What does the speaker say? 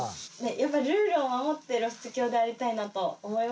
やっぱルールを守って露出狂でありたいなと思いまして。